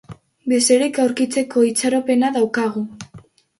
Bizirik aurkitzeko itxaropena daukagu.